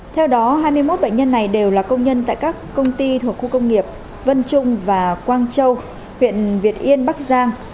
theo đó hai mươi một bệnh nhân này đều là công nhân tại các công ty thuộc khu công nghiệp vân trung và quang châu huyện việt yên bắc giang